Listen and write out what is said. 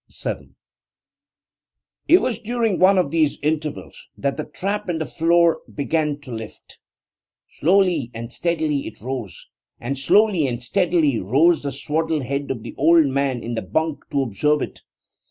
< 7 > It was during one of these intervals that the trap in the floor began to lift. Slowly and steadily it rose, and slowly and steadily rose the swaddled head of the old man in the bunk to observe it.